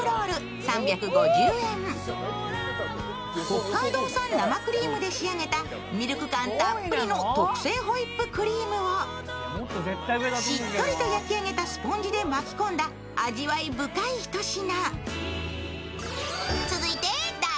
北海道産生クリームで仕上げたミルク感たっぷりの特製ホイップクリームをしっとりと焼き上げたスポンジで巻き込んだ味わい深い一品。